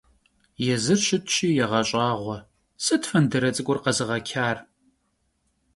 Yêzır şıtşi yêğeş'ağue: - Sıt fendıre ts'ık'ur khezığeçar?